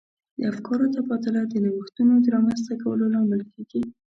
د افکارو تبادله د نوښتونو د رامنځته کولو لامل کیږي.